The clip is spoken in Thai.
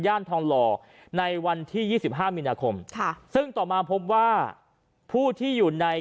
ทองหล่อในวันที่๒๕มีนาคมค่ะซึ่งต่อมาพบว่าผู้ที่อยู่ใน